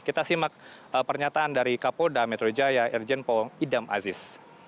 kita simak pernyataan dari kabupaten polda metro jaya erjen pohon idham aziz